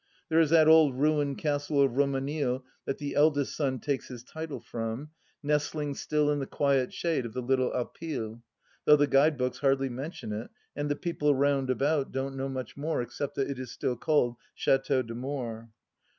There is that old ruined castle of Romanille that the eldest son takes his title from, nestling still in the quiet shade of the little Alpilles, though the guide books hardly mention it, and the people round about don't know much more except that it is stUl called Chateau d'Amour.